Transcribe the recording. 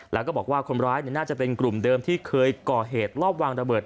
แล้วก็บอกว่าคนร้ายน่าจะเป็นกลุ่มเดิมที่เคยก่อเหตุรอบวางระเบิด